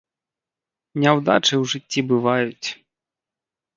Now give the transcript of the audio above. Няўдачы ў жыцці бываюць.